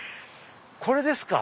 これですか。